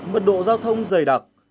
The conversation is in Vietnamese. mật độ giao thông dày đặc